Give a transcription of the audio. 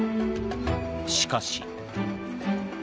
しかし。